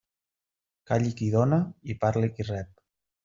Calli qui dóna i parli qui rep.